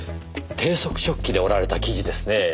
低速織機で織られた生地ですねえ。